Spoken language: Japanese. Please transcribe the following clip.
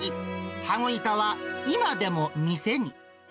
羽子板は今でも店に。